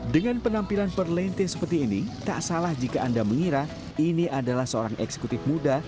dengan penampilan perlente seperti ini tak salah jika anda mengira ini adalah seorang eksekutif muda